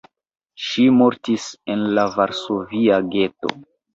Ŝi mortis en la varsovia geto.